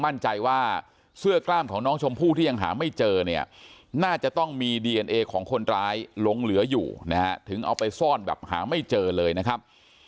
มั่นใจว่าเสื้อกล้ามของน้องชมพู่ที่ยังหาไม่เจอเนี่ยน่าจะต้องมีดีเอ็นเอของคนร้ายหลงเหลืออยู่นะฮะถึงเอาไปซ่อนแบบหาไม่เจอเลยนะครับ